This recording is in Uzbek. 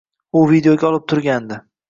U videoga olib turgandi.